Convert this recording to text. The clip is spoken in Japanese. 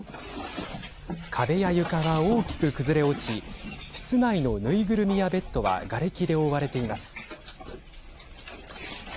壁や床は、大きく崩れ落ち室内の縫いぐるみやベッドはがれきで覆われています。